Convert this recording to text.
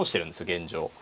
現状。